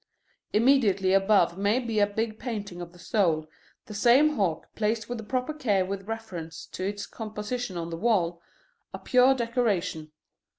Immediately above may be a big painting of the soul, the same hawk placed with the proper care with reference to its composition on the wall, a pure decoration.